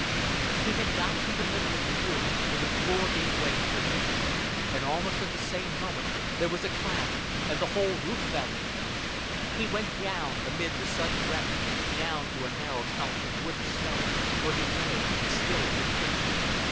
He had got to the middle of the room when the floor gave way under him; and almost at the same moment there was a crash and the whole roof fell in. He went down amid the sudden wreck, down to a narrow couch of wood and stone, where he lay and still could think.